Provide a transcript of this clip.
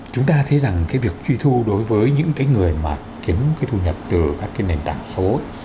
chúng ta thấy rằng cái việc truy thu đối với những cái người mà kiếm cái thu nhập từ các cái nền tảng số